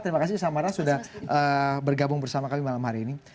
terima kasih samara sudah bergabung bersama kami malam hari ini